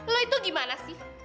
lo itu gimana sih